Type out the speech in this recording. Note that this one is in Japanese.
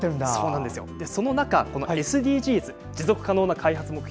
その中ＳＤＧｓ＝持続可能な開発目標